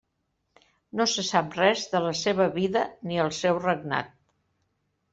No se sap res de la seva vida ni el seu regnat.